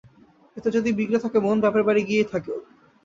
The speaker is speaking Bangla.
এত যদি বিগড়ে থাকে মন, বাপের বাড়ি গিয়েই থাকো।